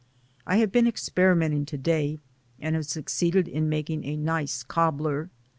I have been experimenting to day and have suc ceeded in making a nice cobbler.